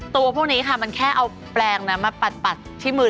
ตัวพวกนี้ค่ะมันแค่เอาแปลงนั้นมาปัดที่มือ